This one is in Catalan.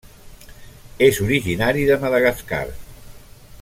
És originari de Madagascar.